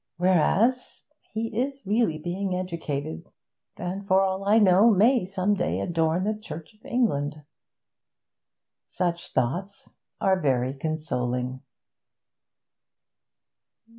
Whereas he is really being educated, and, for all I know, may some day adorn the Church of England.' Such thoughts are very consoling.